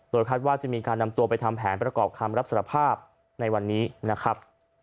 คาดว่าจะมีการนำตัวไปทำแผนประกอบคำรับสารภาพในวันนี้นะครับ